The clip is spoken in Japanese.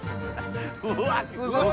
うわっすごい。